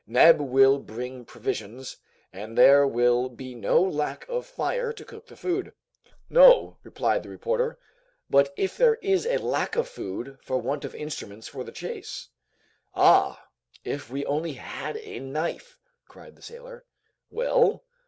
Neb will bring provisions, and there will be no lack of fire to cook the food." "No," replied the reporter; "but if there is a lack of food for want of instruments for the chase?" "Ah, if we only had a knife!" cried the sailor. "Well?"